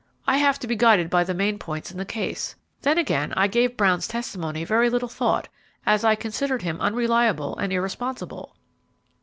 I have to be guided by the main points in the case. Then, again, I gave Brown's testimony very little thought, as I considered him unreliable and irresponsible."